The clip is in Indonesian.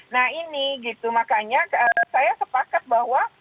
nah ini gitu makanya saya sepakat bahwa